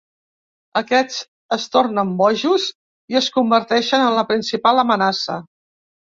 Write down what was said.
Aquests es tornen bojos i es converteixen en la principal amenaça.